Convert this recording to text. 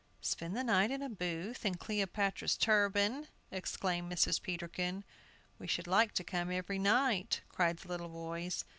"Spend the night in a booth, in Cleopatra's turban!" exclaimed Mrs. Peterkin. "We should like to come every night," cried the little boys.